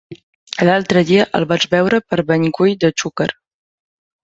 L'altre dia el vaig veure per Benicull de Xúquer.